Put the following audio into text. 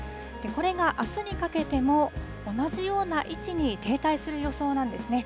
これがあすにかけても同じような位置に停滞する予想なんですね。